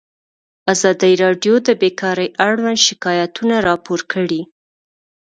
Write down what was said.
ازادي راډیو د بیکاري اړوند شکایتونه راپور کړي.